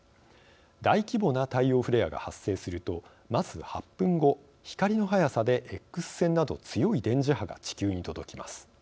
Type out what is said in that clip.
大規模な太陽フレアが発生するとまず８分後、光の速さでＸ線など強い電磁波が地球に届きます。